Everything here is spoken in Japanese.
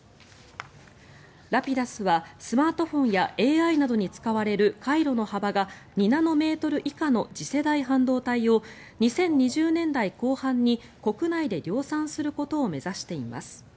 ラピダスはスマートフォンやＡＩなどに使われる回路の幅が２ナノメートル以下の次世代半導体を２０２０年代後半に国内で量産することを目指しています。